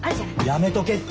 やめとけって！